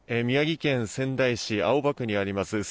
宮城県仙台市青葉区にあります